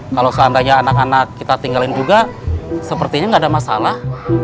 kalau seandainya anak anak kita tinggalin juga sepertinya nggak ada masalah